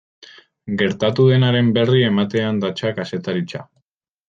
Gertatu denaren berri ematean datza kazetaritza.